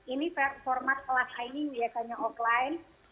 ini format telah aimi biasanya offline